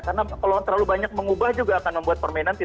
karena kalau terlalu banyak mengubah juga akan membuat permainan